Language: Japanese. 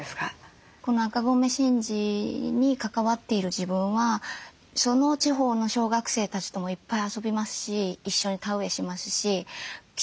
この赤米神事に関わっている自分はその地方の小学生たちともいっぱい遊びますし一緒に田植えしますし集落のおじいさん